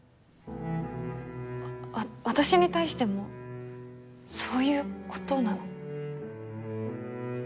私に対してもそういう事なの？